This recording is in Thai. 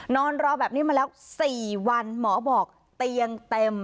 นอนรอแบบนี้มาแล้ว๔วันหมอบอกเตียงเต็ม